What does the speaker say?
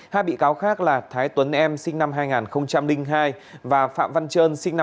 hai bị cáo khác là thái tuấn em sinh năm hai nghìn hai và phạm văn trơn sinh năm một nghìn chín trăm linh hai